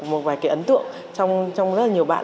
một vài cái ấn tượng trong rất là nhiều bạn